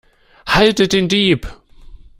Haltet den Dieb!